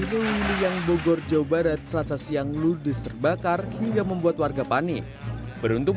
kewiliang bogor jawa barat selasa siang ludes terbakar hingga membuat warga panik beruntung